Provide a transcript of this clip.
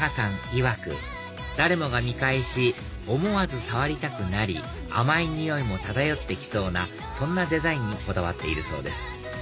いわく誰もが見返し思わず触りたくなり甘い匂いも漂って来そうなそんなデザインにこだわっているそうです